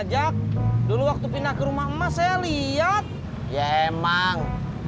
ajak dulu waktu pindah ke rumah emas saya lihat ya emang